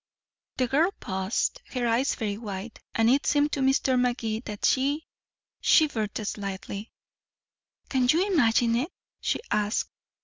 The girl paused, her eyes very wide, and it seemed to Mr. Magee that she shivered slightly. "Can you imagine it?" she asked.